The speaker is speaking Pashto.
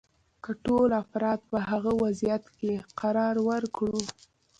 که ټول افراد په هغه وضعیت کې قرار ورکړو.